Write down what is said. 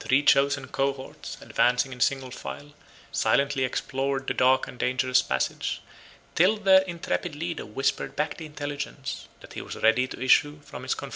Three chosen cohorts, advancing in a single file, silently explored the dark and dangerous passage; till their intrepid leader whispered back the intelligence, that he was ready to issue from his confinement into the streets of the hostile city.